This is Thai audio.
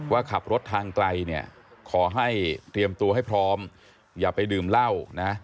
ว่าขับรถทางไกลเนี่ยขอให้เตรียมตัวให้พร้อมอย่าไปดื่มเหล้านะ